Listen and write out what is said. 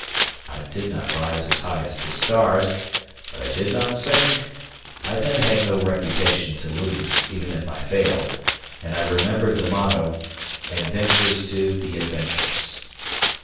I did not rise as high as the stars, but I did not sink. I then had no reputation to lose, even if I failed, and I remembered the motto, "Adventures to the adventurous."